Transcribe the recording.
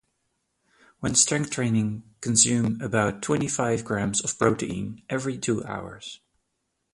When strength training consume about twenty-five grams of protein every two hours.